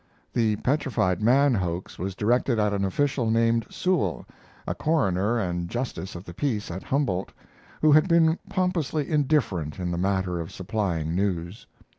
"The Petrified Man" hoax was directed at an official named Sewall, a coroner and justice of the peace at Humboldt, who had been pompously indifferent in the matter of supplying news.